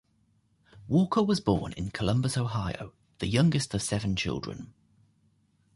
Walker was born in Columbus, Ohio, the youngest of seven children.